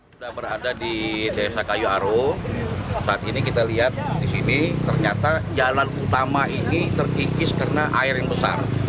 sudah berada di desa kayu aro saat ini kita lihat di sini ternyata jalan utama ini terkikis karena air yang besar